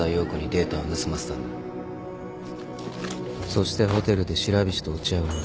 そしてホテルで白菱と落ち合う前。